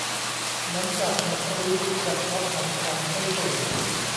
หลังจากโหมดสลีปแลปท็อปของฉันไม่ตื่น